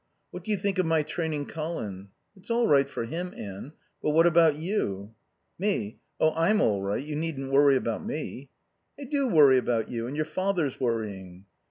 "What do you think of my training Colin?" "It's all right for him, Anne. But how about you?" "Me? Oh, I'm all right. You needn't worry about me." "I do worry about you. And your father's worrying."